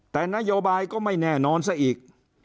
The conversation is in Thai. แต่นโยบายก็ไม่แน่นอนซะอีก